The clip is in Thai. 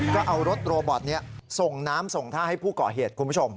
ก็เอารถโรบอตนี้ส่งน้ำส่งท่าให้ผู้ก่อเหตุคุณผู้ชม